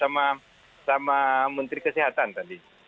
menteri kesehatan tadi